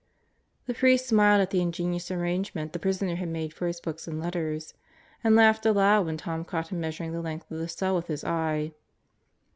The priest smiled at the ingenious arrangement the prisoner had made for his books and letters. And laughed aloud when Tom caught him measuring the length of the cell with his eye.